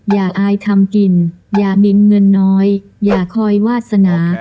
อายทำกินอย่ามีเงินน้อยอย่าคอยวาสนา